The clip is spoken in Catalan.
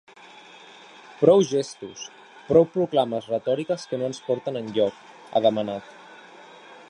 Prou gestos, prou proclames retòriques que no ens porten enlloc, ha demanat.